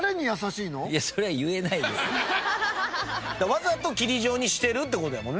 わざと霧状にしてるってことやもんね。